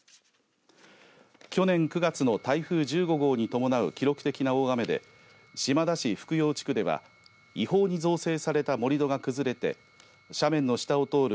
去年９月の台風１５号に伴う記録的な大雨で島田市福用地区では違法に造成された盛り土が崩れて斜面の下を通る